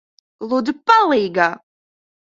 Lūdzu, palīgā!